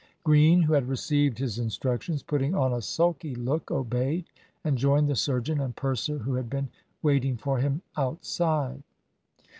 Green, who had received his instructions, putting on a sulky look, obeyed, and joined the surgeon and purser, who had been waiting for him outside.